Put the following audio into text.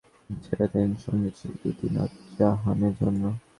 প্রথমে একটি কবিতা শুনিয়ে মঞ্চ ছেড়ে দেন সংগীতশিল্পী দিনাত জাহানের জন্য।